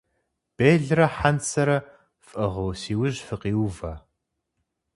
Белырэ хьэнцэрэ фӀыгъыу си ужь фыкъиувэ.